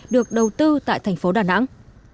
được đầu tư tại thành phố đà nẵng